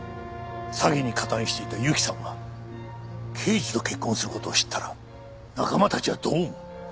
詐欺に加担していたゆきさんが刑事と結婚する事を知ったら仲間たちはどう思う？